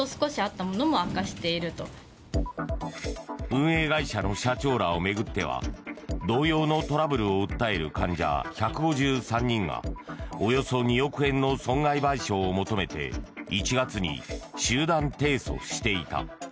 運営会社の社長らを巡っては同様のトラブルを訴える患者１５３人がおよそ２億円の損害賠償を求めて１月に集団提訴していた。